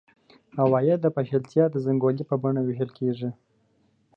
عواید د پاشلتیا د زنګولې په بڼه وېشل کېږي.